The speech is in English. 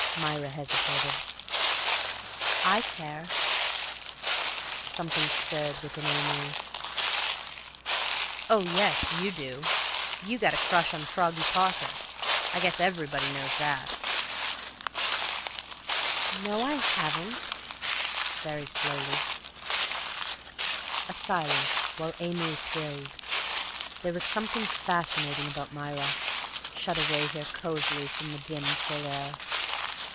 Myra hesitated. "I care." Something stirred within Amory. "Oh, yes, you do! You got a crush on Froggy Parker. I guess everybody knows that." "No, I haven't," very slowly. A silence, while Amory thrilled. There was something fascinating about Myra, shut away here cosily from the dim, chill air.